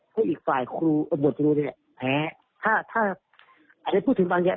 ให้อีกฝ่ายครูอบวทจรุนเนี้ยแพ้ถ้าถ้าอาจจะพูดถึงบางอย่าง